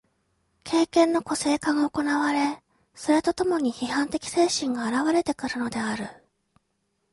経験の個性化が行われ、それと共に批判的精神が現われてくるのである。